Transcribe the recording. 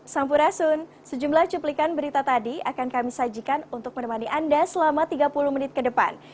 sampurasun sejumlah cuplikan berita tadi akan kami sajikan untuk menemani anda selama tiga puluh menit ke depan